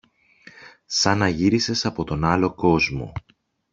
Σαν να γύρισες από τον άλλο κόσμο.